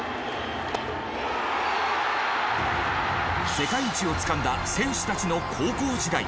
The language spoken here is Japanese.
世界一をつかんだ選手たちの高校時代。